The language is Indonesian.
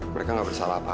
mereka gak bersalah apa apa